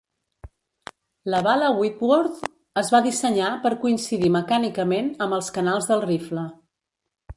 La bala Whitworth es va dissenyar per coincidir mecànicament amb els canals del rifle.